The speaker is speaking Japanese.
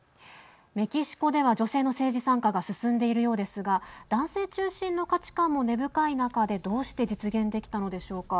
メキシコでは女性の政治参加が進んでいるようですが男性中心の価値観も根深い中でどうして実現できたのでしょうか。